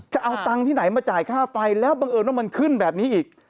จะเอาตังค์ที่ไหนมาจ่ายค่าไฟแล้วบังเอิญว่ามันขึ้นแบบนี้อีก